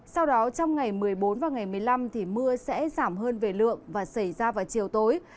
sau đó trong ngày một mươi bốn và ngày một mươi năm mưa sẽ giảm hơn về lượng và xảy ra vào chiều tối